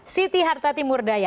siti harta timur daya